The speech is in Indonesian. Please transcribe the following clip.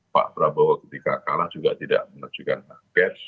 pak prabowo ketika kalah juga tidak menunjukkan target